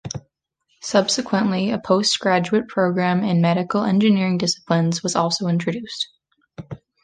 Subsequently a post-graduate program in mechanical engineering disciplines was also introduced.